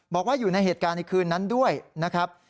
บอกว่าอยู่ในเหตุการณ์ในคืนนั้นด้วยนะครับ